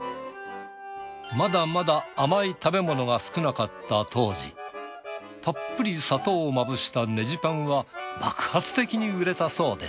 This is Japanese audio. まだまだ甘い食べ物が少なかった当時たっぷり砂糖をまぶしたネジパンは爆発的に売れたそうです。